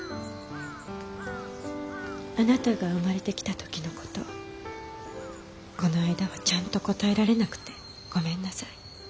あなたが生まれてきた時の事この間はちゃんと答えられなくてごめんなさい。